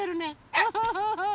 ウフフフ！